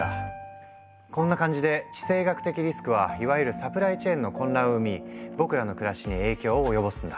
こんな感じで地政学的リスクはいわゆるサプライチェーンの混乱を生み僕らの暮らしに影響を及ぼすんだ。